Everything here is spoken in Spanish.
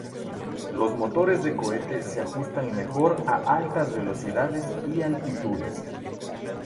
Los motores de cohete se ajustan mejor a altas velocidades y altitudes.